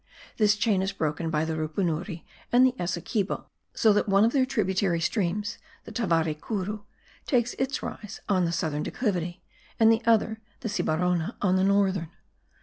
This chain is broken by the Rupunuri and the Essequibo, so that one of their tributary streams, the Tavaricuru, takes its rise on the southern declivity, and the other, the Sibarona, on the northern.